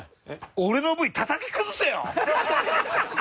俺のＶたたき崩せよ！